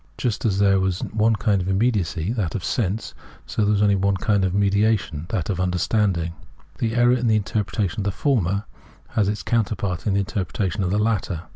Just as there was one kind of immediacy — that of "sense," — so there was only one kind of mediation — that of " understanding.'" The error in the interpretation of the former has it^; counterpart in the interpretation of the latter.